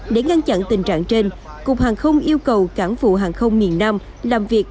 để ngăn chặn tình trạng trên cục hàng không yêu cầu cảng vụ hàng không miền nam làm việc